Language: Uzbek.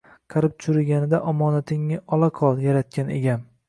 Qarib-churiganida “omonatingni ola qol, yaratgan Egam”